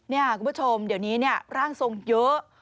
นี่คุณผู้ชมเดี๋ยวนี้ร่างทรงเยอะ